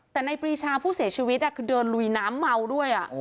แต่ในปรีชาผู้เสียชีวิตคือเดินลุยน้ำเมาด้วย